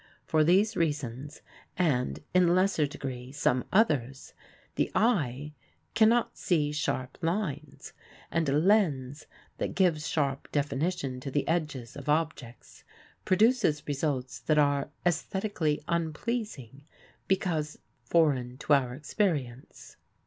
For these reasons and, in lesser degree, some others the eye cannot see sharp lines, and a lens that gives sharp definition to the edges of objects produces results that are esthetically unpleasing, because foreign to our experience.